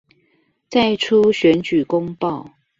再出選舉公報